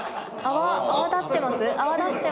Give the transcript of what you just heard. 泡立ってますか？